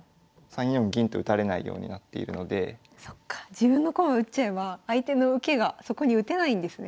自分の駒打っちゃえば相手の受けがそこに打てないんですね。